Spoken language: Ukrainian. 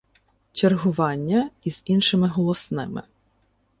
Чергування і з іншими голосними